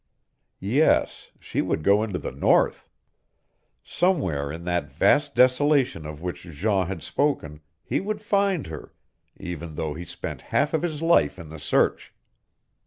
Yes, she would go into the North. Somewhere in that vast desolation of which Jean had spoken he would find her, even though he spent half of his life in the search!